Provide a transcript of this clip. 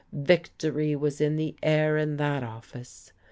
Victory was in the air in that office.